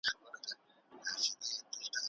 ايا تاريخي دورې په ټولنپوهنه کي مهمې دي؟